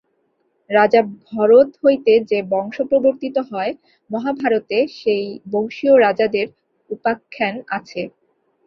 রাজা ভরত হইতে যে বংশ প্রবর্তিত হয়, মহাভারতে সেই বংশীয় রাজাদের উপাখ্যান আছে।